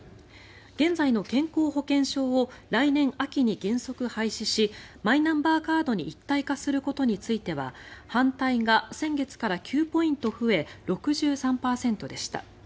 現在の健康保険証を来年秋に原則廃止しマイナンバーカードに一体化することについては反対が先月から９ポイント増え６３％でした。